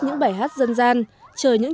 những bài hát dân gian chơi những